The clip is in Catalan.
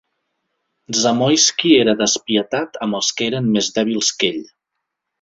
Zamoyski era despietat amb els que eren més dèbils que ell.